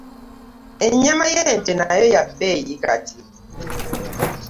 Ennyama y'ente nayo ya bbeeyi kati.